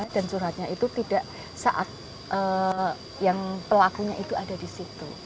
dan curhatnya itu tidak saat yang pelakunya itu ada di situ